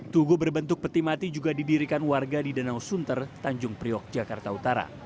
tugu berbentuk peti mati juga didirikan warga di danau sunter tanjung priok jakarta utara